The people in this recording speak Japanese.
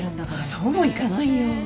そうもいかないよ。